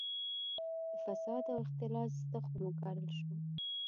د فساد او اختلاس تخم وکرل شو.